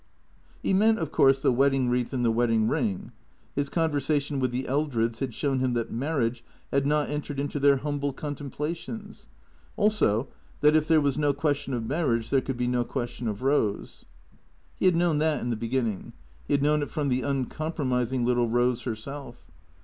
He meant, of course, the wedding wreath and the wedding ring. His conversation with the Eldreds had shown him that marriage had not entered into their humble contemplations; also that if there was no question of marriage, there could be no question of Eose. He had known that in the beginning, he had known it from the uncompromising little Eose herself.